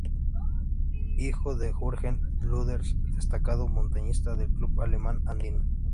Hijo de Jürgen Lüders, destacado montañista del Club Alemán Andino.